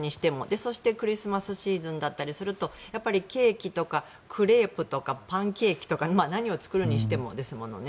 そしてクリスマスシーズンだったりするとケーキとかクレープとかパンケーキとか何を作るにしてもですもんね。